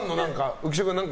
浮所君。